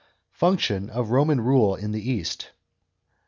Function of Roman rule in the East.